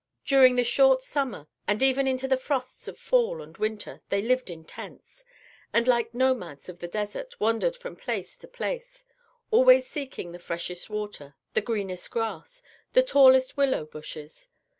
During the short summer, and even into the frosts of fall and winter, they lived in tents, and like nomads of the desert, wandered from place to place, always seeking the freshest water, the greenest grass, the tallest willow bushes.